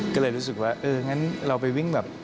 ก็เลยรู้สึกว่าเอองั้นเราไปวิ่งแบบ